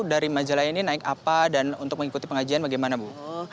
dari majalah ini naik apa dan untuk mengikuti pengajian bagaimana bu